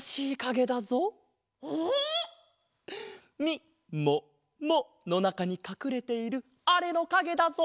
みもものなかにかくれているあれのかげだぞ！